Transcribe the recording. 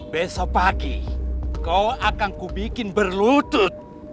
besok pagi kau akan kubikin berlutut